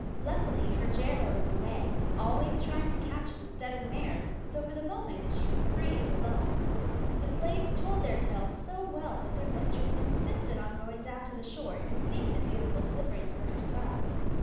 Luckily her gaoler was away, always trying to catch the stud of mares, so for the moment she was free and alone. The slaves told their tale so well that their mistress insisted on going down to the shore and seeing the beautiful slippers for herself.